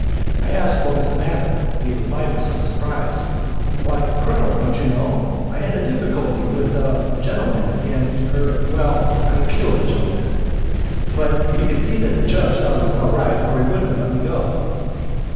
I asked what was the matter, and he replied with some surprise: "Why, Colonel, don't you know I had a difficulty with a gentleman, and ... er ... well, I killed the gentleman. But you can see that the judge thought it was all right or he wouldn't have let me go."